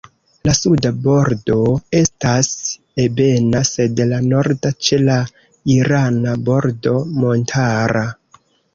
La suda bordo estas ebena, sed la norda ĉe la irana bordo montara.